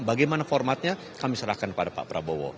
bagaimana formatnya kami serahkan kepada pak prabowo